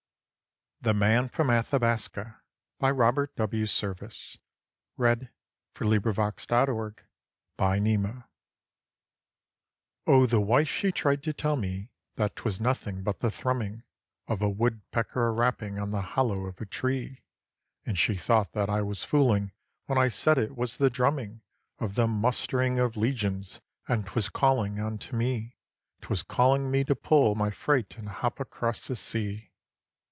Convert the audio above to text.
. But mother's sayin' nothin', and she clasps A SILVER CROSS. The Man from Athabaska Oh the wife she tried to tell me that 'twas nothing but the thrumming Of a wood pecker a rapping on the hollow of a tree; And she thought that I was fooling when I said it was the drumming Of the mustering of legions, and 'twas calling unto me; 'Twas calling me to pull my freight and hop across the sea.